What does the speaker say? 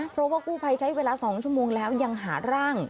เพราะว่ากู้ภัยใช้เวลา๒ชั่วโมงแล้วยังหาร่าง